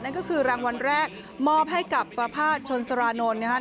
นั่นก็คือรางวัลแรกมอบให้กับประพาทชนสรานนท์นะครับ